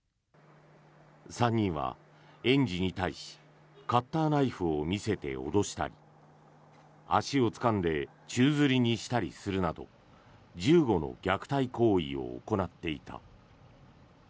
３人は園児に対しカッターナイフを見せて脅したり足をつかんで宙づりにしたりするなど１５の虐待行為を行っていた。